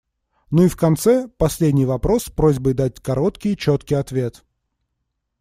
Ну и в конце - последний вопрос с просьбой дать короткий и четкий ответ.